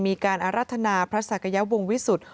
มีการอรัฐนาพระศักยวงวิสุทธิ์